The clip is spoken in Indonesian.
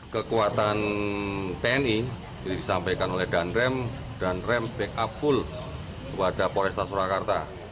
kekuatan tni disampaikan oleh danrem dan rem backup full kepada polresta surakarta